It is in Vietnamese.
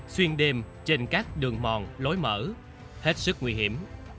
xuyên đêm trên các đường mòn lối mở hết sức nguy hiểm